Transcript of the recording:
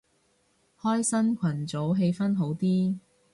開新群組氣氛好啲